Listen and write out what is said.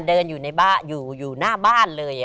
เดินอยู่ในบ้านอยู่หน้าบ้านเลย